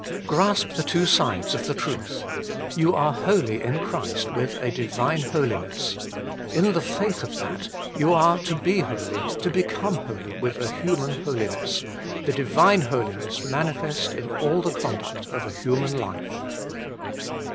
3. Grasp the two sides of the truth. You are holy in Christ with a Divine holiness. In the faith of that, you are to be holy, to become holy with a human holiness, the Diuine Holiness manifest in all the conduct of a human life.